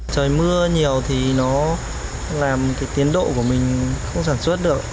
trời mưa nhiều thì nó làm cái tiến độ của mình không sản xuất được